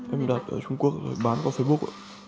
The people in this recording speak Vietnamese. em đặt ở trung quốc rồi bán qua facebook